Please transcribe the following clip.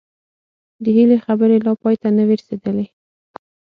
د هيلې خبرې لا پای ته نه وې رسېدلې